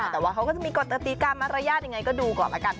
แต่ว่าเค้าก็จะมีกตตีการมารยาทย์อย่างไรก็ดูก่อนแล้วกลับกัน